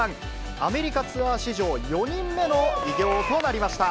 アメリカツアー史上４人目の偉業となりました。